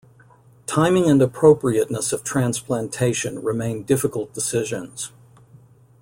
Timing and appropriateness of transplantation remain difficult decisions.